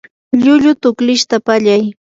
llullu tuklishta pallay.